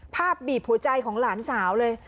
บีบหัวใจของหลานสาวเลย